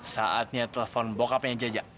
saatnya telepon bokapnya jaja